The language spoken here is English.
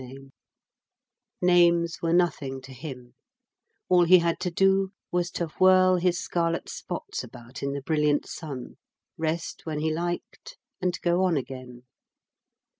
Names were nothing to him; all he had to do was to whirl his scarlet spots about in the brilliant sun, rest when he liked, and go on again.